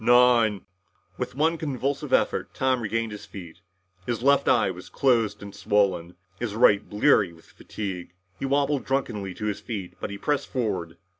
"Nine " With one convulsive effort, Tom regained his feet. His left eye was closed and swollen, his right bleary with fatigue. He wobbled drunkenly on his feet. But he pressed forward.